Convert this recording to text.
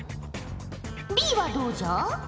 Ｂはどうじゃ？